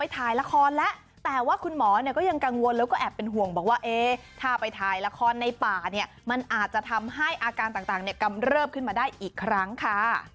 ต่างกำเริบขึ้นมาได้อีกครั้งค่ะ